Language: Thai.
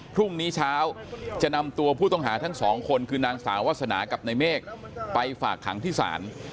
พรุ่งนี้เช้าจะนำตัวผู้ต้องหาทั้งสองคนคือนางสาววาสนากับในเมฆไปฝากขังที่ศาล